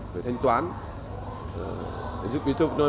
về thanh toán